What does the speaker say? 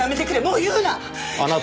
もう言うな！